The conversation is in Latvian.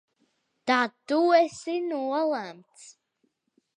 Tad tu esi nolemts!